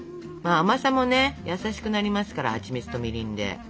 甘さもね優しくなりますからはちみつとみりんで。